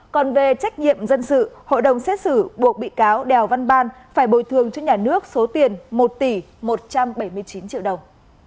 còn về trách nhiệm dân sự hội đồng xét xử buộc bị cáo đèo văn ban phải bồi thương cho nhà nước số tiền một tỷ một trăm bảy mươi chín triệu đồng